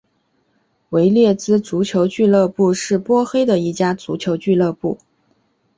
维列兹足球俱乐部是波黑的一家足球俱乐部。